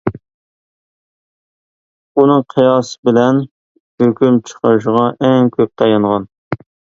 ئۇنىڭ قىياس بىلەن ھۆكۈم چىقىرىشىغا ئەڭ كۆپ تايانغان.